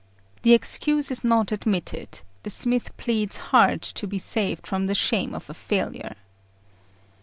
The excuse is not admitted; the smith pleads hard to be saved from the shame of a failure.